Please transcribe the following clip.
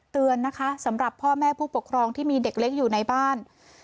เตือนนะคะสำหรับพ่อแม่ผู้ปกครองที่มีเด็กเล็กอยู่ในบ้าน